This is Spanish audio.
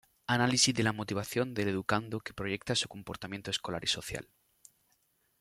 Análisis de la motivación del educando que proyecta su comportamiento escolar y social.